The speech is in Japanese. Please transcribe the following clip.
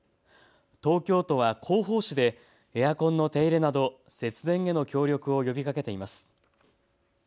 東京都は広報紙でエアコンの手入れなど節電への協力を呼びかけています。